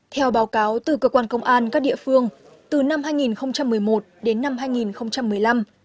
theo báo cáo từ cơ quan công an các địa phương từ năm hai nghìn một mươi một đến năm hai nghìn một mươi năm